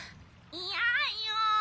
いやよ！